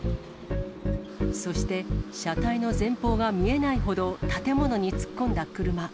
そして、車体の前方が見えないほど建物に突っ込んだ車。